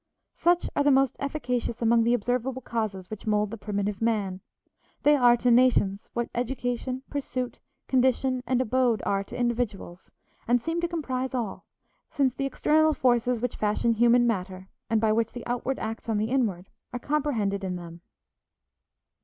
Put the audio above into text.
Such are the most efficacious among the observable causes which mold the primitive man; they are to nations what education, pursuit, condition, and abode are to individuals, and seem to comprise all, since the external forces which fashion human matter, and by which the outward acts on the inward, are comprehended in them.